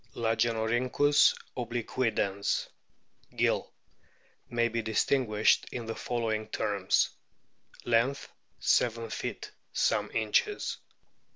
* Lagenorhynckus obliquidens, Gill, t may be distin guished in the following terms : Length, 7 feet some inches.